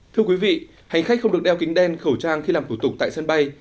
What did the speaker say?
thưa quý vị hành khách không được đeo kính đen khẩu trang khi làm thủ tục tại sân bay